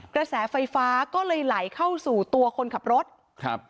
กระแสไฟฟ้าก็เลยไหลเข้าสู่ตัวคนขับรถครับ